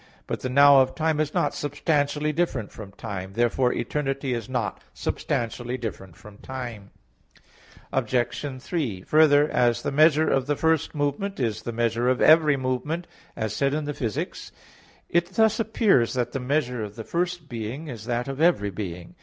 But the "now" of time is not substantially different from time. Therefore eternity is not substantially different from time. Obj. 3: Further, as the measure of the first movement is the measure of every movement, as said in Phys. iv, it thus appears that the measure of the first being is that of every being.